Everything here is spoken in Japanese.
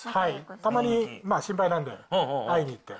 たまに心配なんで、会いに行って。